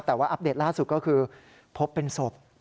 แต่ว่าอัปเดตล่าสุดก็คือพบเป็นศพ